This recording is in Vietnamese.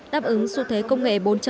đáp ứng xu thế công nghệ bốn